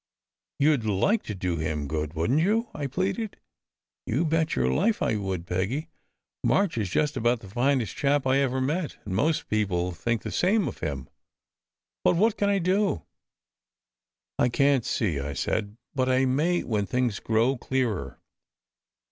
"You d like to do him good, wouldn t you?" I pleaded. " You bet your life I would, Peggy. March is just about the finest chap I ever met, and most people think the same of him. But what can I do? " "I can t see," I said, "but I may, when things grow clearer.